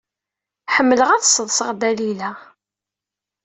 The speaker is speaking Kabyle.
Ḥemmleɣ ad d-sseḍseɣ Dalila.